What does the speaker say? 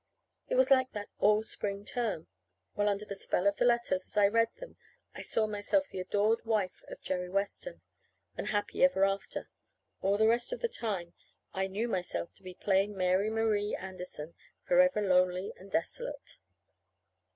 It was like that all that spring term. While under the spell of the letters, as I read them, I saw myself the adored wife of Jerry Weston, and happy ever after. All the rest of the time I knew myself to be plain Mary Marie Anderson, forever lonely and desolate.